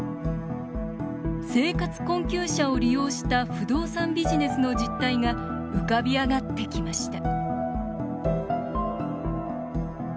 生活困窮者を利用した不動産ビジネスの実態が浮かび上がってきました